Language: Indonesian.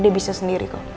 dia bisa sendiri kok